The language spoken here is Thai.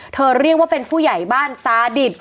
เรียกว่าเป็นผู้ใหญ่บ้านซาดิต